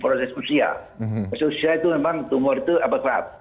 proses usia itu memang tumor itu aparat